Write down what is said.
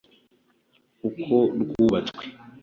uko rwubatswe